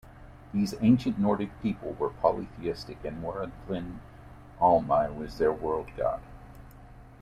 These ancient Nordic people were polytheistic and "Waralden Olmai" was their "world-god".